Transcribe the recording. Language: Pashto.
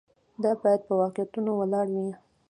دا باید په واقعیتونو ولاړ وي.